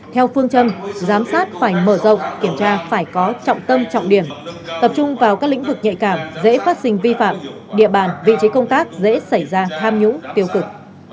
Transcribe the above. theo phương châm giám sát phải mở rộng kiểm tra phải có trọng tâm trọng điểm tập trung vào các lĩnh vực nhạy cảm dễ phát sinh vi phạm địa bàn vị trí công tác dễ xảy ra tham nhũng tiêu cực